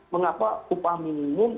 mengapa upah minimum